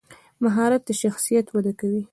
مهارت د شخصیت وده کوي.